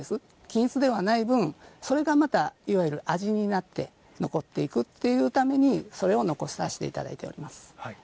均一ではない分それが、味になって残っているというためにそれを残させていただいております。